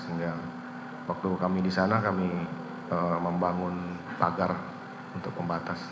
sehingga waktu kami di sana kami membangun pagar untuk pembatas